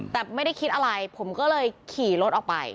แต่ไม่ได้คิดอะไรผมก็เลยขี่รถออกไป